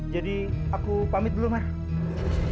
jadi aku pamit dulu mak